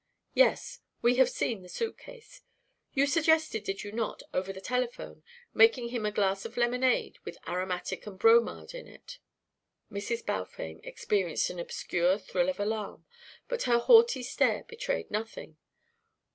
"Yes, we have seen the suitcase. You suggested, did you not over the telephone making him a glass of lemonade with aromatic and bromide in it?" Mrs. Balfame experienced an obscure thrill of alarm, but her haughty stare betrayed nothing.